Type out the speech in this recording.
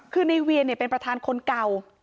คือในเวียนเป็นประธานคนเก่า